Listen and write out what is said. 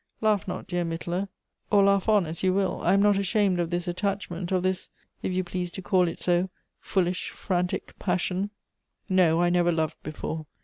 Laugh not, dear Mittler, or laugh on IS you will. I am not ashamed of this attachment, of his — if you please to call it so — foolish, frantic passion. !^o, I never loved before.